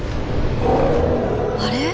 あれ？